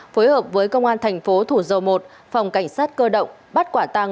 phối hợp với công an thành phố thủ dầu một phòng cảnh sát cơ động bắt quả tăng